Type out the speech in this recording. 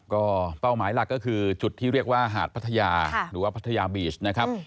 ก็เป้าหมายหลักก็คือจุดที่เรียกว่าหาดพัทยาหรือว่าพัทยาบีชนะครับ